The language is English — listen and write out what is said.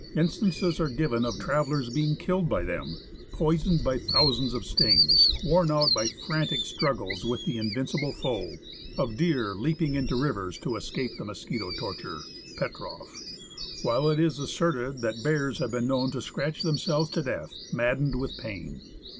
Instances are given of travellers being killed by them, poisoned by thousands of stings, worn out by frantic struggles with the invincible foe ; of deer leaping into rivers to escape the mosquito torture (Petroff) ; whilst it is asserted that bears have been known to scratch themselves to death, maddened with pain.